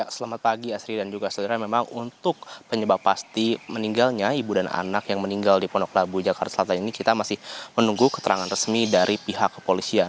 selamat pagi asri dan juga saudara memang untuk penyebab pasti meninggalnya ibu dan anak yang meninggal di pondok labu jakarta selatan ini kita masih menunggu keterangan resmi dari pihak kepolisian